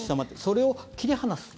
それを切り離す。